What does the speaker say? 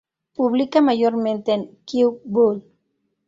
Publica mayormente en "Kew Bull.